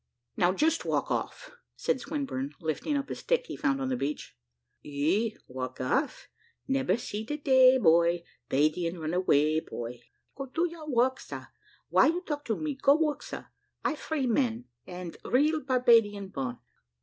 "Now, just walk off," said Swinburne, lifting up a stick he found on the beach. "Eh; walk off: "Nebba see de day, boy, 'Badian run away, boy." "Go, do your work, sar. Why you talk to me? Go, work, sar. I free man, and real Barbadian born.